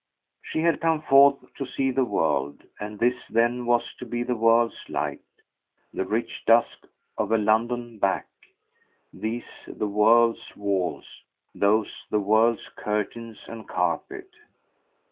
She had come forth to see the world, and this then was to be the world's light, the rich dusk of a London "back," these the world's walls, those the world's curtains and carpet.